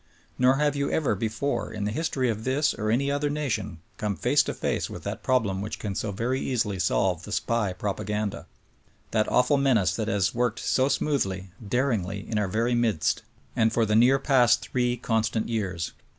Nor have you ever before, in the history of this — ^or any other nation, come _^face to face with that problem which can so very easily solve the "SPY" propaganda; that awful menace that has worked so smoothly SPY PROOF AMERICA 27 (daringly) and in our very midst, and for the near past three constant years.